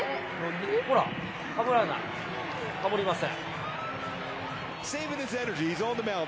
ほら、かぶらない、かぶりません。